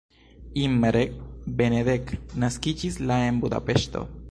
Imre Benedek naskiĝis la en Budapeŝto.